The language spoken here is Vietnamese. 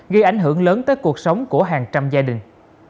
gây ảnh hưởng lớn tới cuộc sống của hàng trăm gia đình